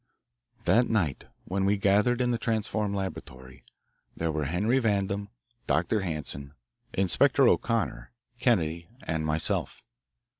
That night, when we gathered in the transformed laboratory, there were Henry Vandam, Dr. Hanson, Inspector O'Connor, Kennedy, and myself.